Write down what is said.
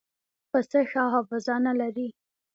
پسه ښه حافظه نه لري.